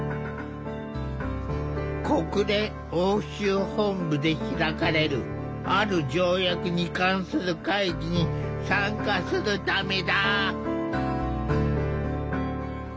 国連欧州本部で開かれるある条約に関する会議に参加するためだ。